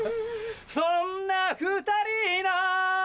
そんな２人の